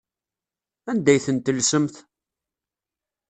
Anda ay ten-tellsemt?